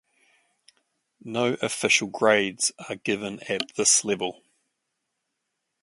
No official grades are given at this level.